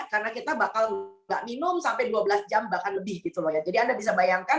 karena kita bakal enggak minum sampai dua belas jam bahkan lebih gitu ya jadi anda bisa bayangkan